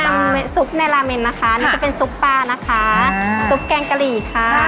น้ำซุปในราเมนนะคะนี่จะเป็นซุปปลานะคะซุปแกงกะหรี่ค่ะ